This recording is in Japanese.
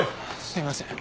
すいません。